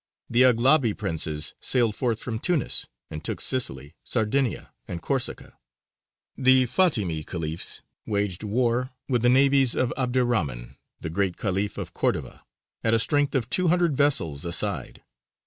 The Aghlabī princes sailed forth from Tunis, and took Sicily, Sardinia, and Corsica. The Fātimī Khalifs waged war with the navies of 'Abd er Rahmān, the Great Khalif of Cordova, at a strength of two hundred vessels a side.